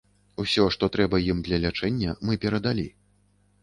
Усё, што трэба ім для лячэння, мы перадалі.